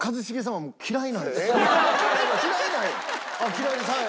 嫌いなんや！